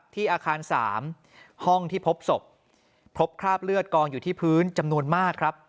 อาคาร๓ห้องที่พบศพพบคราบเลือดกองอยู่ที่พื้นจำนวนมากครับ